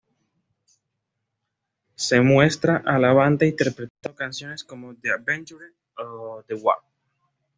Se muestra a la banda interpretando canciones como "The Adventure", "The War".